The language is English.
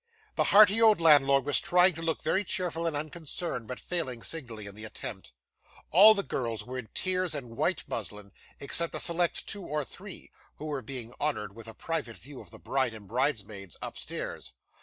The hearty old landlord was trying to look very cheerful and unconcerned, but failing signally in the attempt. All the girls were in tears and white muslin, except a select two or three, who were being honoured with a private view of the bride and bridesmaids, upstairs.